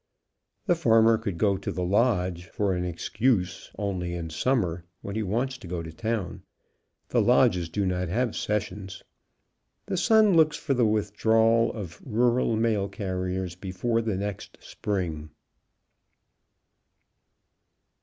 TKe farmer could, go to the lodge, for an excuse, only in summer, when he wants to go to town, the lodges do not have sessions. The Sun looks for the withdrawal of rural mail carriers before next spring.